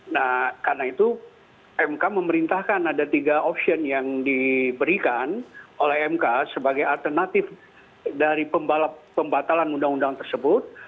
nah karena itu mk memerintahkan ada tiga opsion yang diberikan oleh mk sebagai alternatif dari pembatalan undang undang tersebut